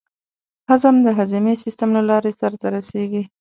هضم د هضمي سیستم له لارې سر ته رسېږي.